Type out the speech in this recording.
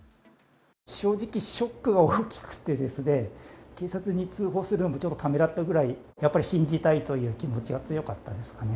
正直、ショックが大きくてですね、警察に通報するのもちょっとためらったくらい、やっぱり信じたいという気持ちが強かったですかね。